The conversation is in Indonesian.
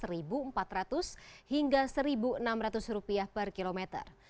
rp satu empat ratus hingga rp satu enam ratus per kilometer